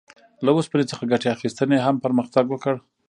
له اوسپنې څخه ګټې اخیستنې هم پرمختګ وکړ.